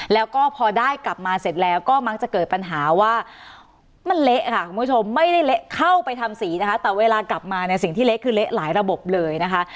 แล้วก็พอได้กลับมาเสร็จแล้วก็มักจะเกิดปัญหาว่ามันเละค่ะคุณผู้ชมไม่ได้เละเข้าไปทำสีนะคะแต่เวลากลับมาเนี่ยสิ่งที่เละคือเละหลายระบบเลยนะคะ